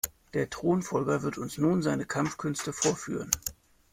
Der Thronfolger wird uns nun seine Kampfkünste vorführen.